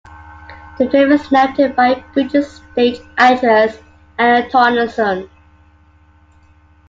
The film is narrated by British stage actress Anne Tonelson.